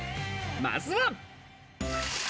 まずは。